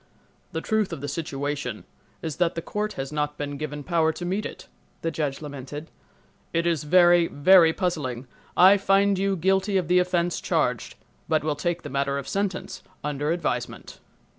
"The truth of the situation is that the court has not been given power to meet it," the judge lamented. "It is very, very puzzling—I find you guilty of the offense charged, but will take the matter of sentence under advisement."